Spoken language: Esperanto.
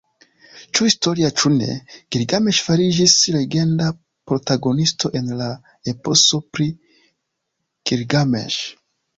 Ĉu historia, ĉu ne, Gilgameŝ fariĝis legenda protagonisto en la "Eposo pri Gilgameŝ".